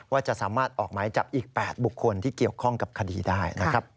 ว่าจะสามารถออกหมายจับอีก๘บุคคลที่เกี่ยวข้องกับคดีได้นะครับ